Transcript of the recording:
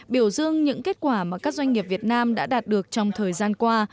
biểu dương những kết quả mà các doanh nghiệp việt nam đã đạt được trong thời gian qua